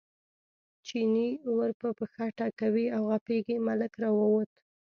چیني ور په پښه ټکوي او غپېږي، ملک راووت.